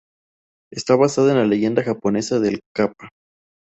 Está basada en la leyenda japonesa del Kappa.